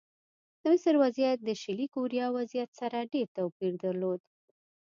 د مصر وضعیت د شلي کوریا وضعیت سره ډېر توپیر درلود.